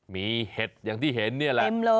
มีเห็ดอย่างที่เห็นนี่แหละ